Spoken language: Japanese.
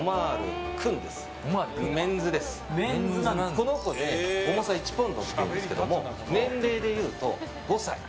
この子で重さ１ポンドなんですけど年齢でいうと５歳。